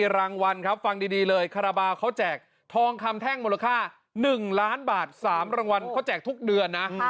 รางวัลครับฟังดีเลยคาราบาลเขาแจกทองคำแท่งมูลค่า๑ล้านบาท๓รางวัลเขาแจกทุกเดือนนะ